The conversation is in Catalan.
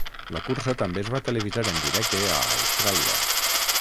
La cursa també es va televisar en directe a Austràlia.